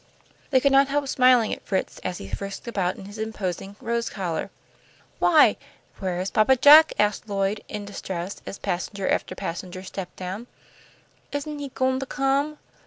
They could not help smiling at Fritz as he frisked about in his imposing rose collar. "Why, where's Papa Jack?" asked Lloyd, in distress, as passenger after passenger stepped down. "Isn't he goin' to come?"